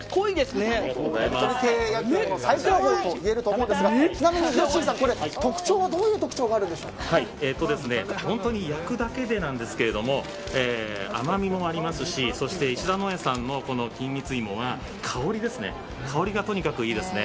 ねっとり系の最高値と言えると思うんですがよっしーさん、特徴はどういうところが本当に焼くだけでなんですけど甘みもありますしそして、石田農園さんの金蜜芋は香りがとにかくいいですね。